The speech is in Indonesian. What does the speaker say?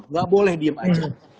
tidak boleh diam saja